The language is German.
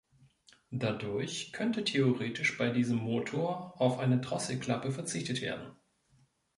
Dadurch könnte theoretisch bei diesem Motor auf eine Drosselklappe verzichtet werden.